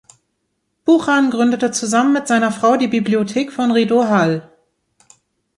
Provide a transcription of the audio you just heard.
Buchan gründete zusammen mit seiner Frau die Bibliothek von Rideau Hall.